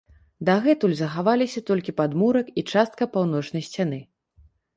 Дагэтуль захаваліся толькі падмурак і частка паўночнай сцяны.